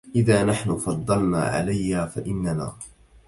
إذا نحن فضلنا عليا فإننا